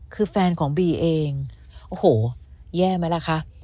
คือแฟนของบีเองโอ้โหแย่ไหมล่ะคะ